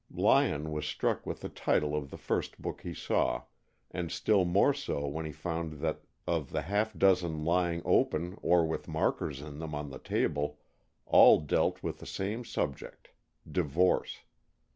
Lyon was struck with the title of the first book he saw, and still more so when he found that of the half dozen lying open or with markers in them on the table, all dealt with the same subject, divorce.